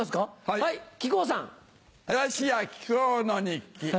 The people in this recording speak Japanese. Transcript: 林家木久扇の日記。